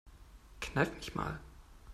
Kneif mich mal.